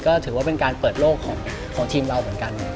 ก็ถือว่าเป็นการเปิดโลกของทีมเราเหมือนกัน